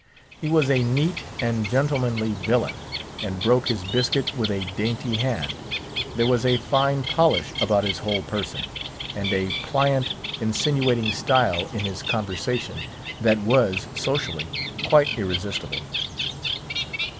He was a neat and gentlemanly villain, and broke his biscuit with a dainty hand. There was a fine polish about his whole person, and a pliant, insinuating style in his conversation, that was, socially, quite irresistible.